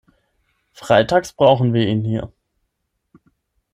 Freitags brauchen wir ihn hier.